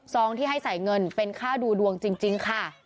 ที่ให้ใส่เงินเป็นค่าดูดวงจริงค่ะ